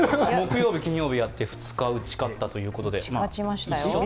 木曜日、金曜日やって２日打ち勝ったということで。